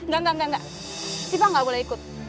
gak gak gak siva gak boleh ikut